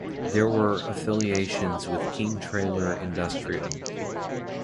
There were affiliations with King Trailer ind.